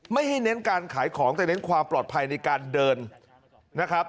ไม่ให้เน้นการขายของแต่เน้นความปลอดภัยในการเดินนะครับ